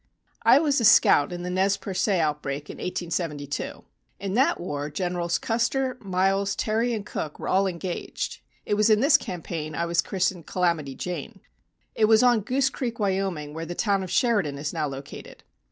"I was a scout in the Nez Perc├® outbreak in 1872. In that war Generals Custer, Miles, Terry and Cook were all engaged. It was in this campaign I was christened 'Calamity Jane.' It was on Goose Creek, Wyoming, where the town of Sheridan is now located.